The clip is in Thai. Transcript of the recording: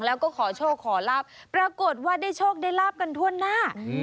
แล้วก็ขอโชคขอลาบปรากฏว่าได้โชคได้ลาบกันทั่วหน้า